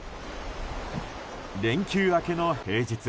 連休明けの平日。